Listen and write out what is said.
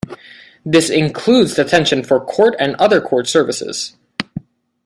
This includes detention for court and other court services.